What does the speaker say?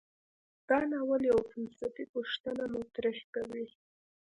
دا ناول یوه فلسفي پوښتنه مطرح کوي.